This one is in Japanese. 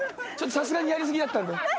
さすがにやり過ぎだったんで。